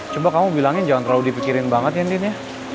coba kamu bilangnya jangan terlalu dipikirin banget ya andin ya